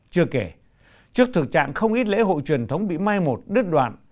chưa kể trước thực trạng không ít lễ hội truyền thống bị mai một đứt đoạn